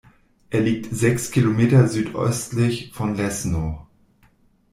Er liegt sechs Kilometer südöstlich von Leszno.